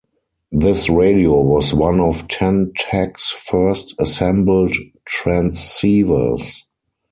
This radio was one of Ten-Tec's first assembled transceivers.